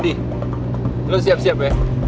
dedy lo siap siap ya